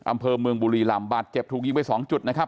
อำเภอเมืองบุรีรำบาดเจ็บถูกยิงไป๒จุดนะครับ